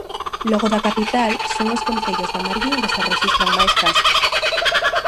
Logo da capital, son os concellos da Mariña onde se rexistran máis casos.